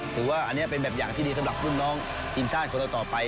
ถือว่าอันนี้เป็นแบบอย่างที่ดีสำหรับรุ่นน้องทีมชาติคนต่อไป